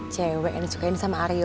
cewek yang disukain sama aryo